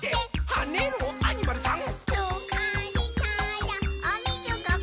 はねろアニマルさん！」